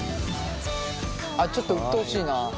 ちょっとうっとうしいなあいつ。